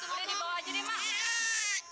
udah dibawa aja nih mak